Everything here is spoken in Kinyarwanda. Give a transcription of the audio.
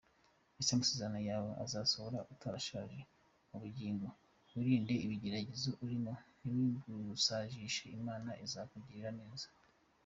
Ese amasezerano yawe azasohora utarashaje mu bugingo? Wirinde ibigeragezo urimo ntibigusazishe Imana izakugirira neza.